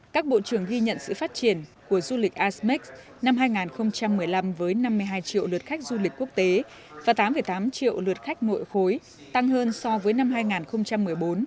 các bộ trưởng ghi nhận sự phát triển của du lịch asemex năm hai nghìn một mươi năm với năm mươi hai triệu lượt khách du lịch quốc tế và tám tám triệu lượt khách nội khối tăng hơn so với năm hai nghìn một mươi bốn